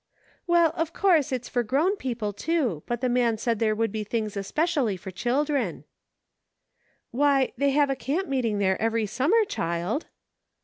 " Well, of course, it's for grown people, too ; but the man said there would be things especially for children." "march! I SAID." 19 "Why, they have a camp meeting there every summer, child."